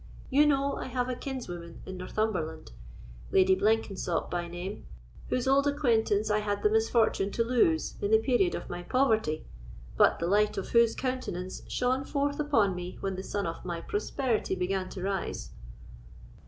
"You know I have a kinswoman in Northumberland, Lady Blenkensop by name, whose old acquaintance I had the misfortune to lose in the period of my poverty, but the light of whose countenance shone forth upon me when the sun of my prosperity began to arise."